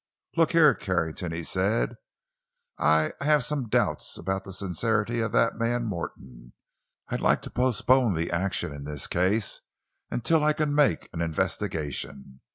"Look here, Carrington," he said, "I—I have some doubts about the sincerity of that man Morton. I'd like to postpone action in this case until I can make an investigation.